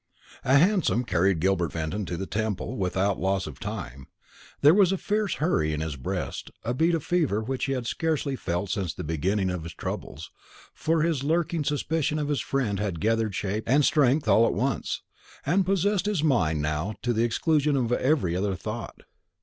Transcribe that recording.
A hansom carried Gilbert Fenton to the Temple, without loss of time. There was a fierce hurry in his breast, a heat and fever which he had scarcely felt since the beginning of his troubles; for his lurking suspicion of his friend had gathered shape and strength all at once, and possessed his mind now to the exclusion of every other thought.